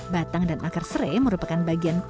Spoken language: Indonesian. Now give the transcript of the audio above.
batang dan akar serai merupakan bagian